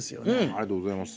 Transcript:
ありがとうございます。